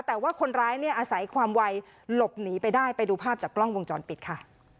แต่ว่าคนร้ายเนี่ยอาศัยความไวหลบหนีไปได้ไปดูภาพจากกล้องวงจรปิดค่ะ